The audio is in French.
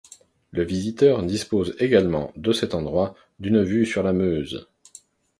Le visiteur dispose également de cet endroit d'une vue sur la Meuse.